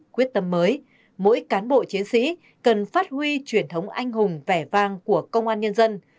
quyết tâm mới mỗi cán bộ chiến sĩ cần phát huy truyền thống anh hùng vẻ vang của công an nhân dân